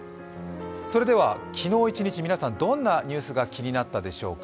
昨日一日、皆さんどんなニュースが気になったでしょうか。